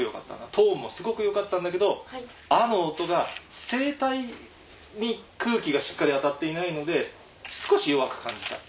トーンもすごくよかったんだけど「ア」の音が声帯に空気がしっかり当たっていないので少し弱く感じた。